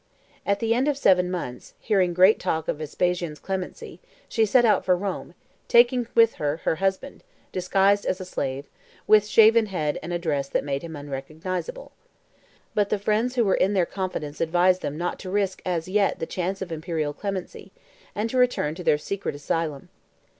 At the end of seven months, hearing great talk of Vespasian's clemency, she set out for Rome, taking with her her husband, disguised as a slave, with shaven head and a dress that made him unrecognizable. But the friends who were in their confidence advised them not to risk as yet the chance of imperial clemency, and to return to their secret asylum.